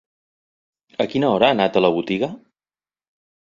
A quina hora ha anat a la botiga?